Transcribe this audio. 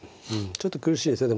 ちょっと苦しいですよ